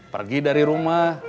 pergi dari rumah